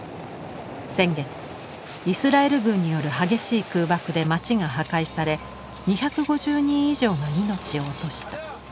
先月イスラエル軍による激しい空爆で町が破壊され２５０人以上が命を落とした。